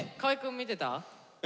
見てた？